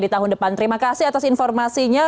terima kasih atas informasinya